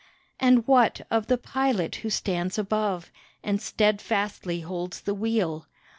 And what of the pilot who stands above And steadfastly holds the wheel?